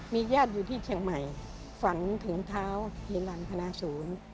ญาติอยู่ที่เชียงใหม่ฝันถึงเท้าฮิลันพนาศูนย์